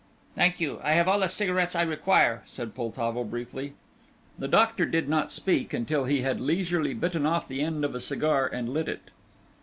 "Thank you, I have all the cigarettes I require," said Poltavo, briefly. The doctor did not speak until he had leisurely bitten off the end of a cigar and lit it.